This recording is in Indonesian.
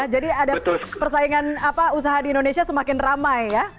jadi ada persaingan apa usaha di indonesia semakin ramai ya